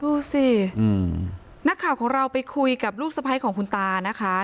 ดูสินักข่าวของเราไปคุยกับลูกสะพ้ายของคุณตานะคะ